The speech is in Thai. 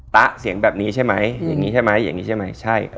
ตะเสียงแบบนี้ใช่ไหมอย่างนี้ใช่ไหมอย่างนี้ใช่ไหมใช่